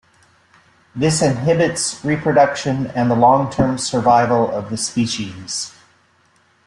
This inhibits reproduction and the long-term survival of the species.